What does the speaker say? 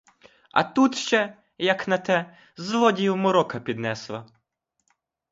А тут ще, як на те, злодіїв морока піднесла.